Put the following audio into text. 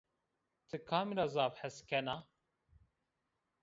Ti kamî ra zaf hes kena?